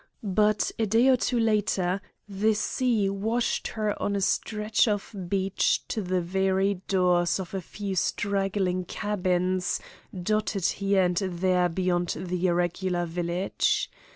But a day or two later the sea washed her on a stretch of beach to the very doors of a few straggling cabins dotted here and there beyond the irregular village.